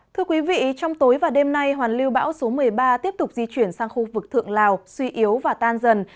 thưa quý vị trong tối và đêm nay hoàn lưu bão số một mươi ba tiếp tục di chuyển sang khu vực thượng lào suy yếu và tan dần